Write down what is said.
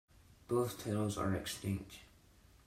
Both titles are extinct.